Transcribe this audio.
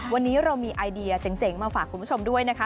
วันนี้เรามีไอเดียเจ๋งมาฝากคุณผู้ชมด้วยนะคะ